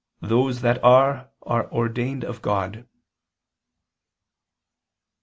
'Those that are, are ordained of God.'